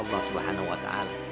allah subhanahu wa ta'ala